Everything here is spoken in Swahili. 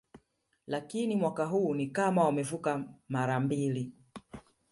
Lakini mwaka huu ni kama wamevuka mara mbili